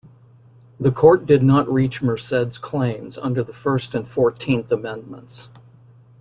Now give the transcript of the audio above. The court did not reach Merced's claims under the First and Fourteenth Amendments.